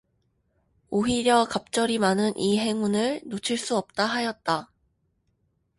오히려 갑절이 많은 이 행운을 놓칠 수 없다 하였다.